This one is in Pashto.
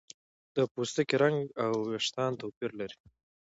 د پوستکي رنګ او ویښتان توپیر لري.